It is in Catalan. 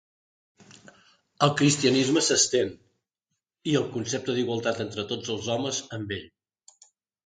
El cristianisme s’estén, i el concepte d’igualtat entre tots els homes amb ell.